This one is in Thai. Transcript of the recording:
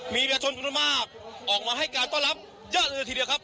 มีเวียชนประมาณมากออกมาให้การต้อนรับเยอะเยอะทีเดียวครับ